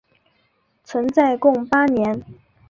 存在共八年。